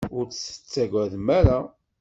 Ur tt-tettagademt ara.